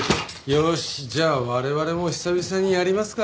よしじゃあ我々も久々にやりますか。